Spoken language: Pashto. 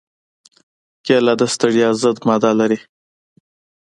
کېله د ستړیا ضد ماده لري.